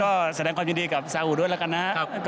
ก็แสดงความยุ่นดีกับทราบหูด้วยแล้วกันนะ